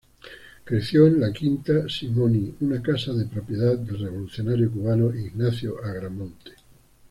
Creció en La Quinta Simoni, una casa de propiedad del revolucionario cubano Ignacio Agramonte.